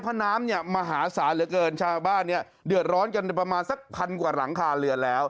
เพราะน้ำเนี่ยมหาศาลเหลือเกินชาวบ้านเนี่ยเดือดร้อนกันประมาณสักพันกว่าหลังคาเรือนแล้ว